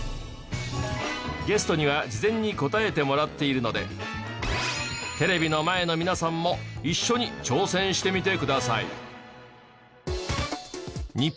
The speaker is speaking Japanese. ゲストには事前に答えてもらっているのでテレビの前の皆さんも一緒に挑戦してみてください。